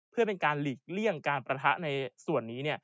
เพื่อเป็นการหลีกเลี่ยงการประทะในส่วนนี้